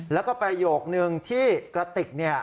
แล้วก็ประโยคนึงที่กระติกเนี่ย